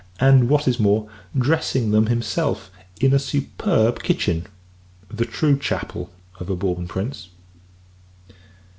and, what is more, dressing them himself in a superb kitchen the true chapel of a Bourbon Prince.